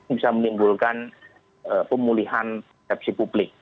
bisa menimbulkan pemulihan persepsi publik